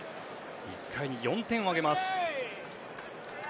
１回に４点を挙げます。